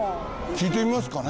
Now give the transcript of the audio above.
聞いてみますかね。